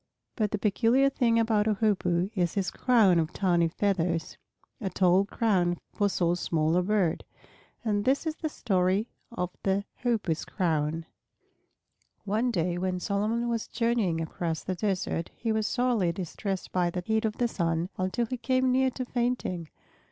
But the peculiar thing about a Hoopoe is his crown of tawny feathers, a tall crown for so small a bird. And this is the story of the Hoopoe's crown. One day when Solomon was journeying across the desert, he was sorely distressed by the heat of the sun, until he came near to fainting.